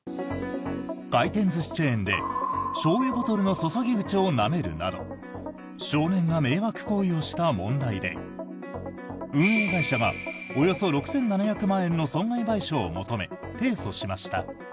回転寿司チェーンでしょうゆボトルの注ぎ口をなめるなど少年が迷惑行為をした問題で運営会社がおよそ６７００万円の損害賠償を求め提訴しました。